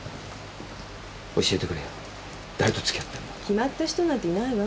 決まった人なんていないわ。